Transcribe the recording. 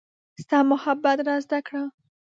ستا محبت را زده کړه